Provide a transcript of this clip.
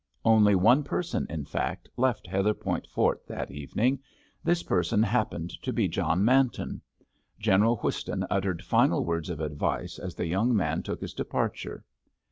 Only one person, in fact, left Heatherpoint Fort that evening. This person happened to be John Manton. General Whiston uttered final words of advice as the young man took his departure.